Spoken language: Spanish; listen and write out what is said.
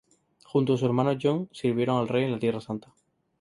Junto a su hermano John sirvieron al rey en la Tierra Santa.